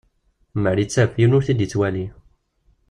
Amer ittaf yiwen ur t-id-yettwali